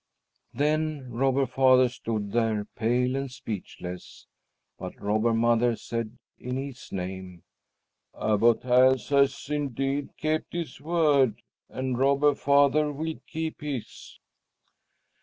Then Robber Father stood there pale and speechless, but Robber Mother said in his name, "Abbot Hans has indeed kept his word, and Robber Father will keep his."